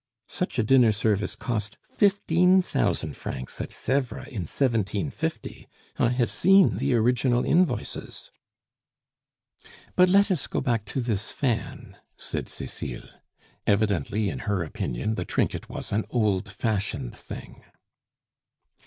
Such a dinner service cost fifteen thousand francs at Sevres in 1750; I have seen the original invoices." "But let us go back to this fan," said Cecile. Evidently in her opinion the trinket was an old fashioned thing.